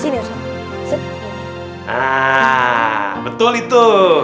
nah betul itu